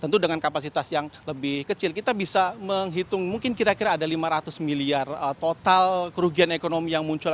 tentu dengan kapasitas yang lebih kecil kita bisa menghitung mungkin kira kira ada lima ratus miliar total kerugian ekonomi yang muncul